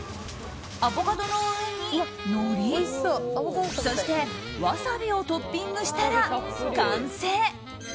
アボカドの上にのりそして、ワサビをトッピングしたら完成。